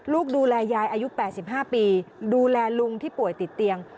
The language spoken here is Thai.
ดูแลยายอายุ๘๕ปีดูแลลุงที่ป่วยติดเตียง